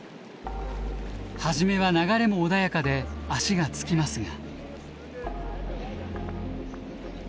初めは流れも穏やかで足がつきますが。